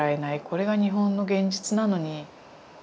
これが日本の現実なのに。